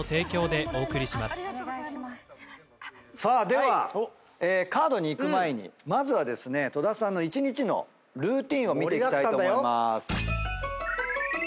ではカードに行く前にまずは戸田さんの一日のルーティンを見ていきたいと思います。